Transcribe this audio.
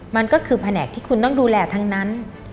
มันก็คือแผนกที่คุณต้องดูแลทั้งนั้น